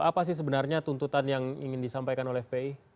apa sih sebenarnya tuntutan yang ingin disampaikan oleh fpi